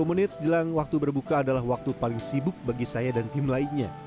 sepuluh menit jelang waktu berbuka adalah waktu paling sibuk bagi saya dan tim lainnya